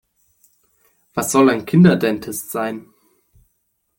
Was soll ein Kinderdentist sein?